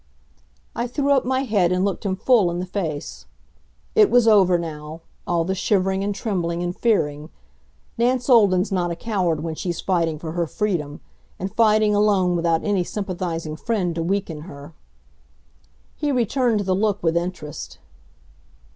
I threw up my head and looked him full in the face. It was over now all the shivering and trembling and fearing. Nance Olden's not a coward when she's fighting for her freedom; and fighting alone without any sympathizing friend to weaken her. He returned the look with interest.